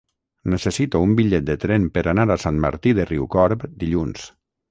Necessito un bitllet de tren per anar a Sant Martí de Riucorb dilluns.